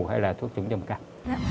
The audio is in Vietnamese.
hay là thuốc chống trầm cắt